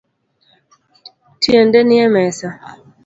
Tiende nie mesa